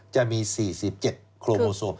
จะมี๔๗โครโมโซ